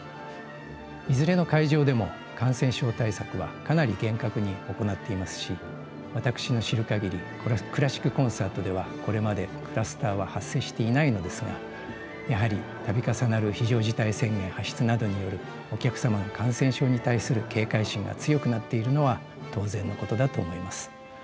いずれの会場でも感染症対策はかなり厳格に行っていますし私の知る限りクラシックコンサートではこれまでクラスターは発生していないのですがやはり度重なる非常事態宣言発出などによるお客様の感染症に対する警戒心が強くなっているのは当然のことだと思います。